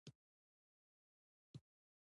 پروژه د کاري پلان او مشخصې مودې لرونکې وي.